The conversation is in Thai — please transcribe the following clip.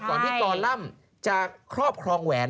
ก่อนที่กรล่ำจะครอบครองแหวน